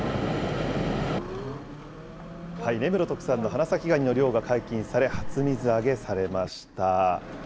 根室特産の花咲ガニの漁が解禁され、初水揚げされました。